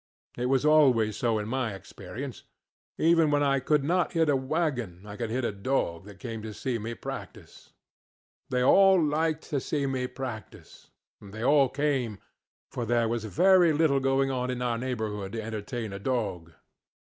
It was always so in my experience. Even when I could not hit a wagon I could hit a dog that came to see me practice. They all liked to see me practice, and they all came, for there was very little going on in our neighborhood to entertain a dog.